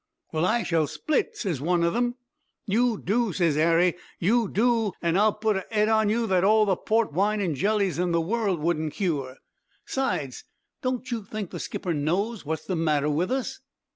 "'Well, I shall split,' ses one of them. "'You do!' ses Harry, 'you do, an' I'll put a 'ed on you that all the port wine and jellies in the world wouldn't cure. 'Sides, don't you think the skipper knows what's the matter with us?'